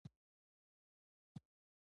د خوړو وخت باید منظم وي.